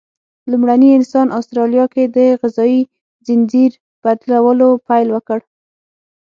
لومړني انسانان استرالیا کې د غذایي ځنځیر بدلولو پیل وکړ.